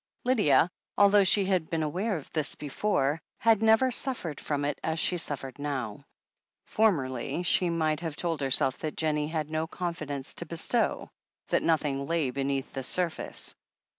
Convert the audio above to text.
Lydia, although she had been aware of this before, had never suffered from it as she suffered now. For merly, she might have told herself that Jennie had no confidence to bestow — ^that nothing lay beneath the sur face.